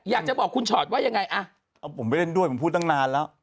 อยากจะบอกคุณชอตว่ายังไงอ่ะเอาผมไปเล่นด้วยผมพูดตั้งนานแล้ว